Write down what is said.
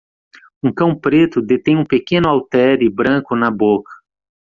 Um cão preto detém um pequeno haltere branco na boca.